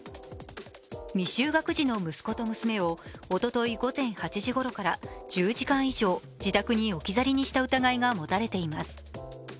未就学児の息子と娘を、おととい午前８時ごろから１０時間以上、自宅に置き去りにした疑いが持たれています。